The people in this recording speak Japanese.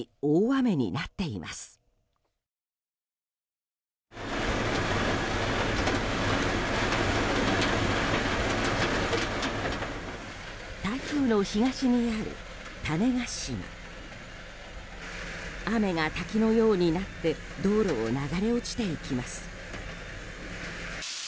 雨が滝のようになって道路を流れ落ちていきます。